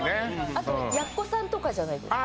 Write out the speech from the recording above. あと奴さんとかじゃないですか